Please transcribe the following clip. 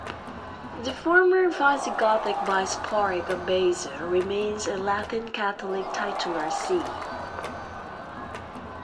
The former Visigothic bishopric of Baeza remains a Latin Catholic titular see.